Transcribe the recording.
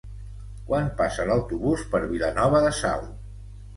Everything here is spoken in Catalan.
Quan passa l'autobús per Vilanova de Sau?